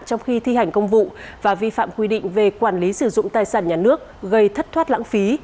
trong khi thi hành công vụ và vi phạm quy định về quản lý sử dụng tài sản nhà nước gây thất thoát lãng phí